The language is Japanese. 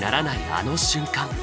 あの瞬間。